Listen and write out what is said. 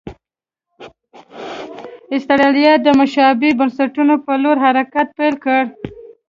اسټرالیا د مشابه بنسټونو په لور حرکت پیل کړ.